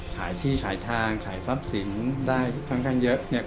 ขายที่ขายทางขายทรัพย์สินได้ค่อนข้างเยอะเนี่ย